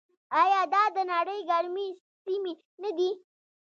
آیا دا د نړۍ ګرمې سیمې نه دي؟